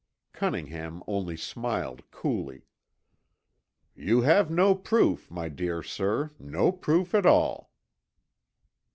Cunningham only smiled coolly. "You have no proof, my dear sir, no proof at all."